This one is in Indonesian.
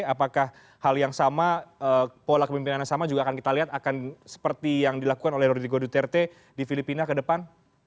apakah hal yang sama pola kepemimpinan yang sama juga akan kita lihat akan seperti yang dilakukan oleh rodrigo duterte di filipina kedepan